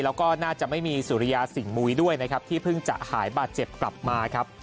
แล้วก็น่าจะไม่มีสุริยาสิ่งมุยด้วยนะครับที่เพิ่งจะหายบาดเจ็บกลับมาครับ